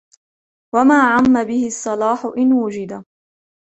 وَمَا عَمَّ بِهِ الصَّلَاحُ إنْ وُجِدَ